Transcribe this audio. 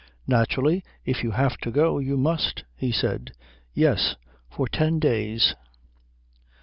"Naturally if you have to go you must," he said. "Yes. For ten days."